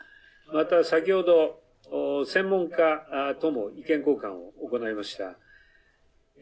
また、先ほど専門家との意見交換も行いました。